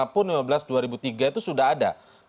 di undang undang yang lama pun lima belas dua ribu tiga itu sudah ada